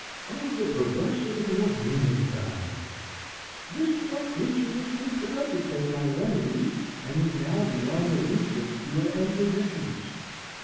Oh, the perversity of human kind! This poor creature was too proud to take my remedies, and is now beyond the reach of cure and physicians.